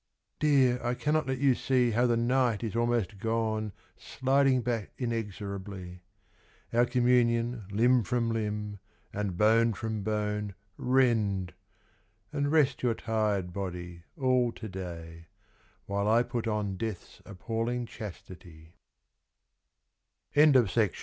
Dear, I cannot let you see How the night is almost gone Sliding back inexorably ; Our communion Limb from limb, and bone from bone Rend ; and rest your tired body All to day, while I put on Death's appall